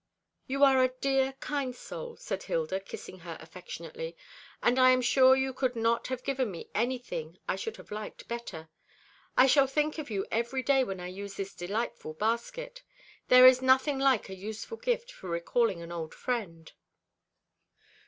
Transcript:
"You are a dear kind soul," said Hilda, kissing her affectionately; "and I am sure you could not have given me anything I should have liked better. I shall think of you every day when I use this delightful basket. There is nothing like a useful gift for recalling an old friend."